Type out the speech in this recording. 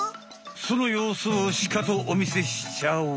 そのようすをしかとおみせしちゃおう。